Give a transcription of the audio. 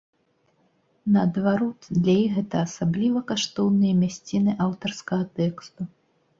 Наадварот, для іх гэта асабліва каштоўныя мясціны аўтарскага тэксту.